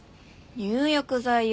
入浴剤よ。